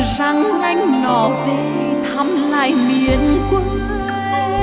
rang nganh lò về thăm lại miền quê